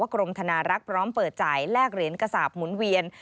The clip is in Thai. กรมธนารักษ์พร้อมเปิดจ่ายแลกเหรียญกระสาปหมุนเวียน